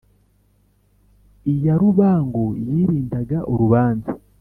iya rubangu yirindaga urubanza